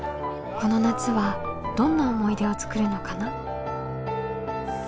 この夏はどんな思い出を作るのかな？